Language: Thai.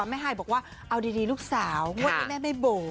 ไฮบอกว่าเอาดีลูกสาวงวดนี้แม่ไม่โบ๋